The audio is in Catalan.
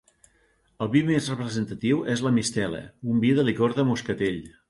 El vi més representatiu és la mistela, un vi de licor de moscatell.